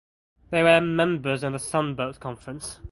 They were members in the Sun Belt Conference.